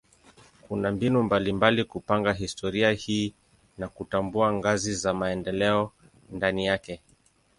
Kuna mbinu mbalimbali kupanga historia hii na kutambua ngazi za maendeleo ndani yake.